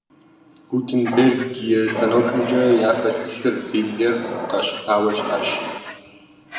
Гутенгберг и станокымкӏэ япэ тхылъыр, Библиер, къащыпауэ щытащ.